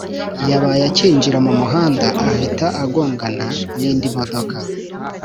Yabaye akinjira mu muhanda ahita agongana n’indi modoka